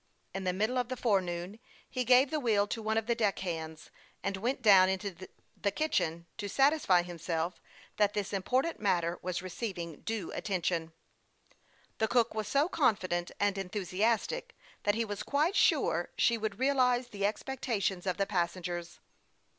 In the middle of the forenoon he gave the wheel to one of the deck hands, and went down into the kitchen to satisfy himself that this important matter was receiving due attention. The cook was so con fident and enthusiastic that he was quite sure she would realize the expectations of the passengers.